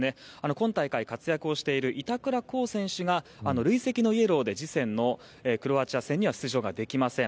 今大会、活躍をしている板倉滉選手が累積のイエローで次戦のクロアチア戦には出場ができません。